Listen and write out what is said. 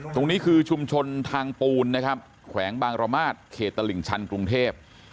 ตรงนี้คือชุมชนทางปูนนะครับแขวงบางระมาทเขตตลิ่งชันกรุงเทพ